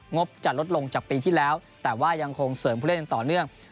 บจะลดลงจากปีที่แล้วแต่ว่ายังคงเสริมผู้เล่นอย่างต่อเนื่อง